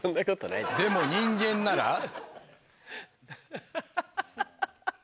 でも人間なら。